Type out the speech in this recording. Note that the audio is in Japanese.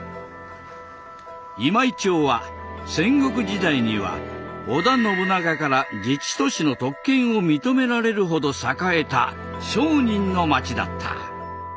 今井町は戦国時代には織田信長から自治都市の特権を認められるほど栄えた商人の町だった。